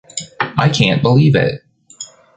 I can’t believe it!